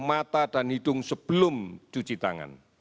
mata dan hidung sebelum cuci tangan